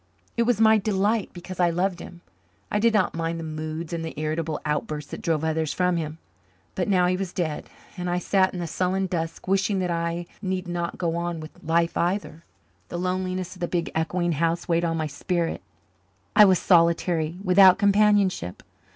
It was my delight because I loved him. I did not mind the moods and the irritable outbursts that drove others from him. But now he was dead, and I sat in the sullen dusk, wishing that I need not go on with life either. The loneliness of the big echoing house weighed on my spirit. I was solitary, without companionship.